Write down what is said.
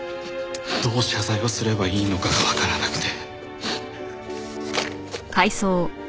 どう謝罪をすれば良いのかが分からなくて」